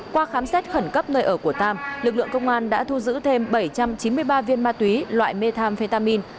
qua khám xét khẩn cấp nơi ở của tam lực lượng công an đã thu giữ thêm bảy trăm chín mươi ba viên ma túy loại methamphetamin